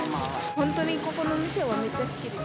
本当にここの店はめっちゃ好きです。